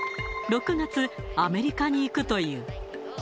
６月、アメリカに行くという。